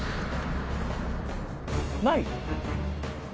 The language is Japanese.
ない！